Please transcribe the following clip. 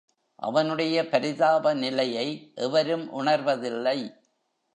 அவனுடைய பரிதாப நிலையை எவரும் உணர்வதில்லை.